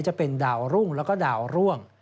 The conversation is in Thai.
จะเป็นดาวรุ่งแล้วก็ดาวร่วง